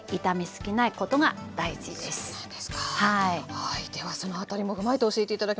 はいではその辺りも踏まえて教えて頂きます。